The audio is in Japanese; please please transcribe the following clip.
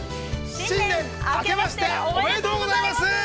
◆新年明けましておめでとうございます！